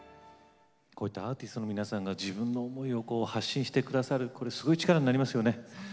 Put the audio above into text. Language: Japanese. アーティストの皆さんが自分の思いを発信してくださるすごい力になりますよね。